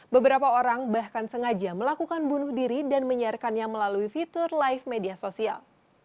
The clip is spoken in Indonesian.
beberapa orang bahkan sengaja melakukan bunuh diri dan menyiarkannya melalui fitur live media sosial